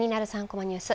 ３コマニュース」